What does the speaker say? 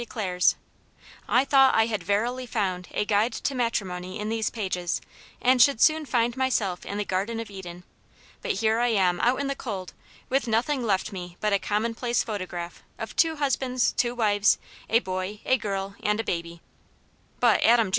declares, "I thought I had verily found a guide to matrimony in these pages, and Aunt Jane's Hero. 261 should soon find myself in the Garden of Eden. But here I am out in the cold, with nothing left me but a commonplace photograph of two husbands, two wives, a boy, a girl, and a baby !" But, Adam Jr.